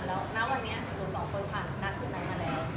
แล้วณวันนี้หนูสองคนผ่านนัดชุดนั้นมาแล้ว